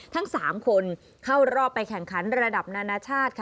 ทั้ง๓คนเข้ารอบไปแข่งขันระดับนานาชาติค่ะ